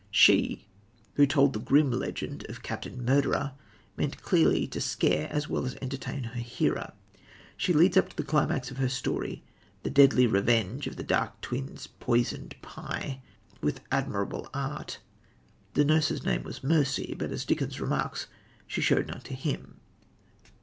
She, who told the grim legend of Captain Murderer, meant, clearly, to scare as well as to entertain her hearer. She leads up to the climax of her story, the deadly revenge of the dark twin's poisoned pie, with admirable art. The nurse's name was Mercy, but, as Dickens remarks, she showed none to him.